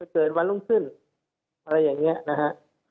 เกิดวันรุ่งขึ้นอะไรอย่างนี้นะฮะ